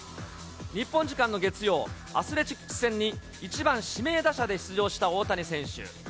日本時間の月曜、アスレチックス戦に１番指名打者で出場した大谷選手。